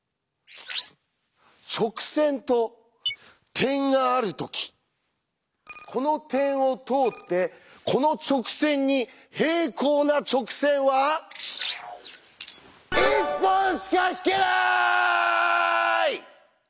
「直線と点があるときこの点を通ってこの直線に平行な直線は１本しか引けない」！